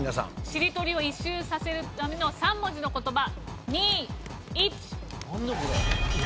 しりとりを１周させるための３文字の言葉。